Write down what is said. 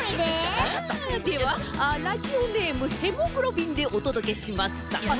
ではラジオネーム「ヘモグロ便でお届けします」さん。